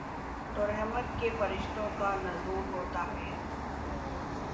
تو رحمت کے فرشتوں کا نزول ہوتا ہے۔